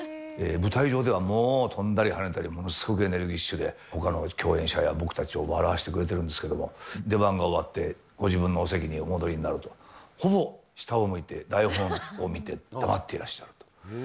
舞台上ではもう、飛んだり跳ねたり、ものすごくエネルギッシュで、ほかの共演者や僕たちを笑わせてくれてるんですけど、出番が終わって、ご自分のお席にお戻りになると、ほぼ下を向いて台本を見て黙っていらっしゃる。